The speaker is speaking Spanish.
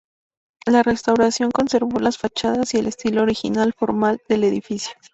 La restauración conservó las fachadas y el estilo original formal del edificio.